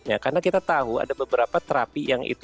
ya karena kita tahu ada beberapa terapi yang itu